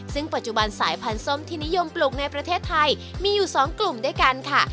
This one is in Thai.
ซึ่งปัจจุบันสายพันธุ์ส้มที่นิยมปลูกในประเทศไทยมีอยู่๒กลุ่มด้วยกันค่ะ